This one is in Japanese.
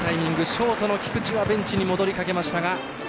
ショートの菊地はベンチに戻りかけましたが。